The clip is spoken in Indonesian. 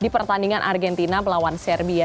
pertandingan argentina melawan serbia